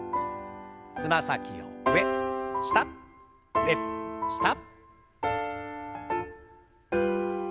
つま先を上下上下。